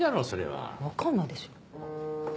わかんないでしょ。